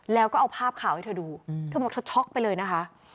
แล้วก็เอาภาพข่าวให้เธอดูเธอบอกเธอช็อกไปเลยนะคะ